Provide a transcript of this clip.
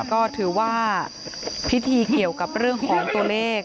ก็ถือว่าพิธีเกี่ยวกับเรื่องของตัวเลข